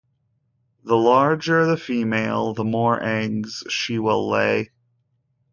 The larger the female, the more eggs she will lay.